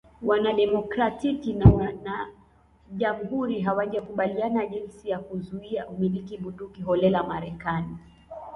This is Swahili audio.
Wanademokratiki na Wanajamhuri hawajakubaliana jinsi ya kuzuia umiliki bunduki holela Marekani